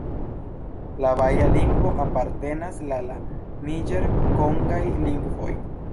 La baja lingvo apartenas la la niĝer-kongaj lingvoj.